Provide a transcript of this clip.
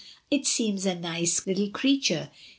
"It seems a nice little creature.